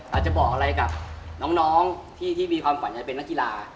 อาจจะบอกอะไรกับน้องที่มีความฝันจะเป็นนักกีฬา